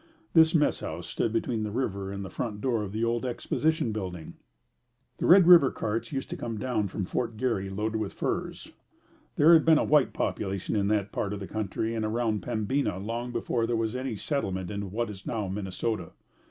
This mess house stood between the river and the front door of the old Exposition Building. The Red River carts used to come down from Fort Garry loaded with furs. There had been a white population in that part of the country and around Pembina long before there was any settlement in what is now Minnesota.